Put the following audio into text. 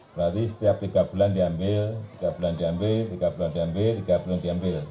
berarti setiap tiga bulan diambil tiga bulan diambil tiga bulan diambil tiga bulan diambil